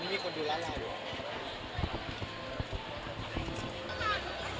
ไม่ค่ะจะได้รวมกันค่ะ